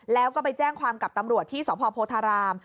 แล้วก็ไปแจ้งความกับตำรวจที่สพโพธาราม